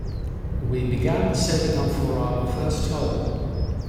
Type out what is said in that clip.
We began saving up for our first home.